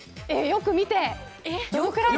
よく見て！